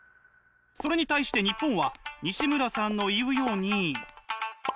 それに対して日本はにしむらさんの言うように。